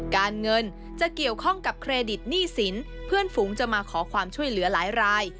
การเงินจะเกี่ยวข้องกับเครดิตหนี้สินเพื่อนฝูงจะมาขอความช่วยเหลือหลายราย